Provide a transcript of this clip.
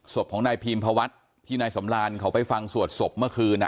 ศพของนายพีมพวัฒน์ที่นายสำรานเขาไปฟังสวดศพเมื่อคืน